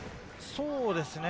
そうですね。